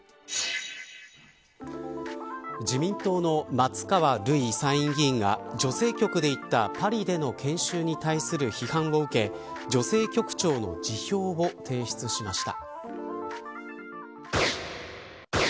自民党の松川るい参議院議員が女性局で行ったパリでの研修に対する批判を受け女性局長の辞表を提出しました。